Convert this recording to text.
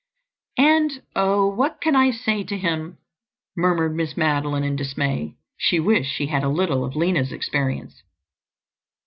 "And, oh, what can I say to him?" murmured Miss Madeline in dismay. She wished she had a little of Lina's experience.